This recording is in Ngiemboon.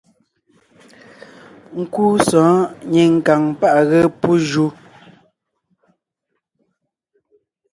Nkúu sɔ̌ɔn tàʼ nyìŋ kàŋ páʼ à ge pú ju.